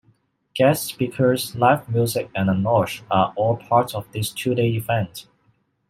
Guest speakers, live music, and a nosh are all part of this two-day event.